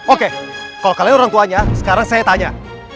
oke kalau kalian orang tuanya sekarang saya tanya